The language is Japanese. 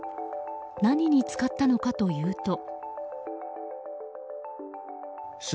何に使ったのかというと。